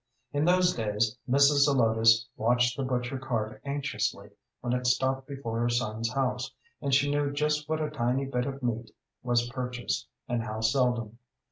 In those days Mrs. Zelotes watched the butcher cart anxiously when it stopped before her son's house, and she knew just what a tiny bit of meat was purchased, and how seldom.